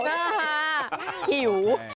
อ่าหิว